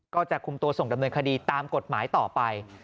ก็จะคุมตัวส่งดำเนินคดีตามกฎหมายต่อไป